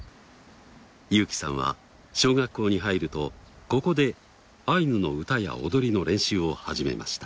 裕樹さんは小学校に入るとここでアイヌの歌や踊りの練習を始めました。